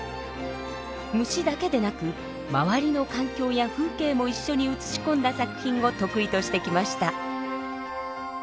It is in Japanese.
虫だけでなく周りの環境や風景も一緒に写しこんだ作品を得意としてきました。